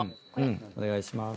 お願いします。